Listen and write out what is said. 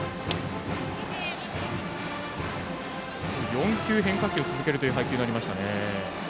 ４球、変化球を続ける配球になりました。